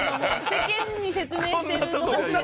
世間に説明してるのが全てです。